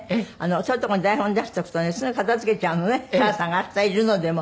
そういうとこに台本出しとくとねすぐ片付けちゃうのね母さんが明日いるのでも。